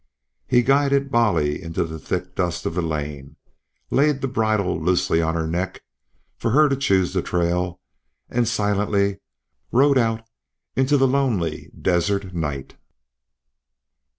Hare guided Bolly into the thick dust of the lane, laid the bridle loosely on her neck for her to choose the trail, and silently rode out into the lonely desert night.